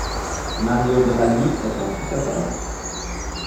Mario Draghi est son successeur.